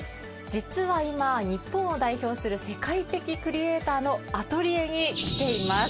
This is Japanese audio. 実は今、日本を代表する世界的クリエイターのアトリエに来ています。